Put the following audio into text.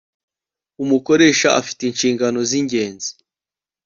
umukoresha afite inshingano z ingenzi